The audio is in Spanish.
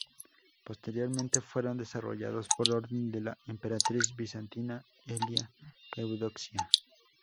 Posteriormente fueron desarrollados por orden de la emperatriz bizantina Elia Eudoxia.